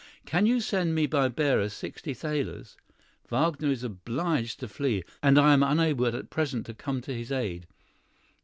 "Can you send me by bearer sixty thalers? Wagner is obliged to flee, and I am unable at present to come to his aid.